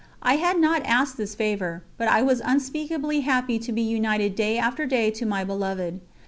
I had not asked this favour, but I was unspeakably happy to be united day after day to my Beloved.